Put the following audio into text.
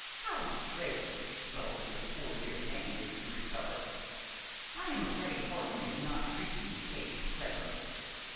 How dreadfully slow your poor dear hand is to recover! I am afraid Horton is not treating the case cleverly.